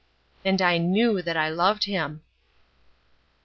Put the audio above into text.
And I knew that I loved him.